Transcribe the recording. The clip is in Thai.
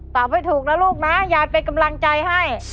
ตอบได้ถูกแล้วลูกนะอย่าเป็นกำลังใจให้